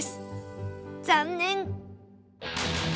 残念！